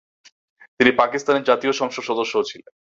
তিনি পাকিস্তানের জাতীয় সংসদ সদস্যও ছিলেন।